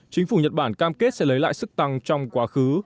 chính phủ nhật bản cam kết sẽ lấy lại sức tăng trong quá khứ